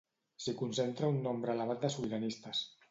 S'hi concentra un nombre elevat de sobiranistes.